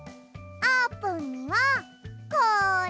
あーぷんにはこれ。